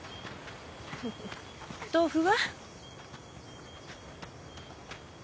豆腐は？